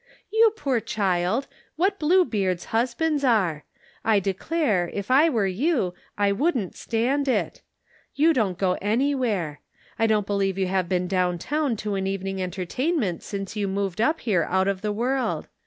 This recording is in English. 207 " You poor child ! What Blue Beards husbands are I I declare, if I were you, I wouldn't stand it ! You don't go anywhere. I don't believe you have been down town to an evening entertainment since you moved up here out of the world.